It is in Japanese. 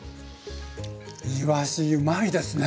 いわしうまいですね。